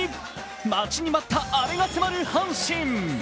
待ちに待ったアレが迫る阪神。